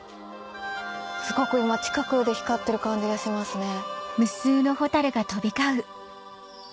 すごく今近くで光ってる感じがしますね。